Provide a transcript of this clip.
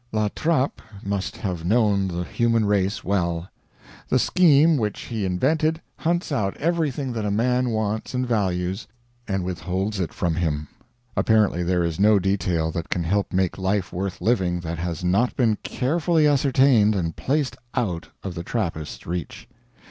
La Trappe must have known the human race well. The scheme which he invented hunts out everything that a man wants and values and withholds it from him. Apparently there is no detail that can help make life worth living that has not been carefully ascertained and placed out of the Trappist's reach.